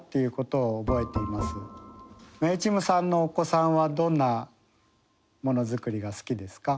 まゆちむさんのお子さんはどんなものづくりが好きですか？